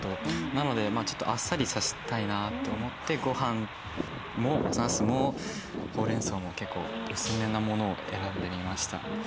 なのでちょっとあっさりさせたいなと思ってごはんもなすもほうれんそうも結構薄めなものを選んでみました。